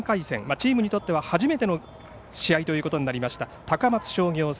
チームにとっては初めての試合となりました、高松商業戦。